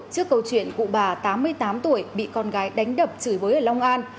trước câu chuyện cụ bà tám mươi tám tuổi bị con gái đánh đập chửi bới ở long an